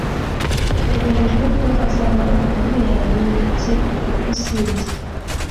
Hateganijwe ko hazabaho kuvuyarara ndetse n'ubusinzi.